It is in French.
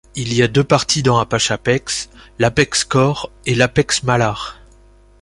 Il y a deux parties dans Apache Apex: l'Apec Core et à l'Apex Malhar.